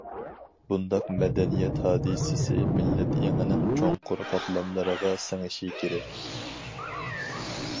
بۇنداق مەدەنىيەت ھادىسىسى مىللەت ئېڭىنىڭ چوڭقۇر قاتلاملىرىغا سىڭىشى كېرەك.